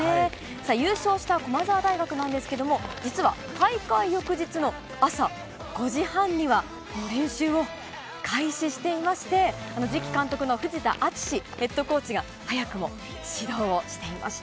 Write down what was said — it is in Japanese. さあ、優勝した駒澤大学ですけど、実は大会翌日の朝５時半にはもう練習を開始していまして、次期監督の藤田敦史ヘッドコーチが、早くも指導をしていました。